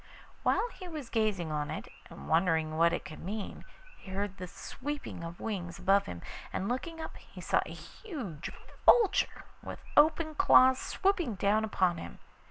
While he was gazing on it and wondering what it could mean, he heard the sweeping of wings above him, and looking up he saw a huge vulture with open claws swooping down upon him.